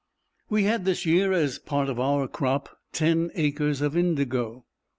We had this year, as a part of our crop, ten acres of indigo.